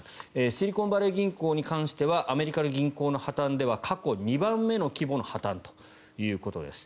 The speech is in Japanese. シリコンバレー銀行に関してはアメリカの銀行の破たんでは過去２番目の規模の破たんということです。